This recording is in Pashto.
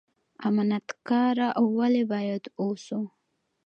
امانت کاره ولې باید اوسو؟